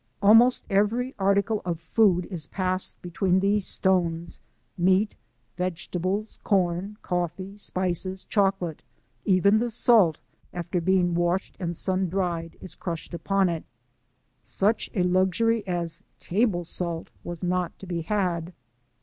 Almost every article of food is passed between these stones — meat, vegetables, com, coffee, spices, chocolate — even the salt, after being washed and sun dried, is crushed upon it. Such a luxury as table salt " was not to be had.